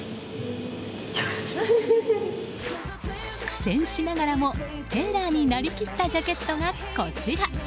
苦戦しながらもテイラーになりきったジャケットがこちら。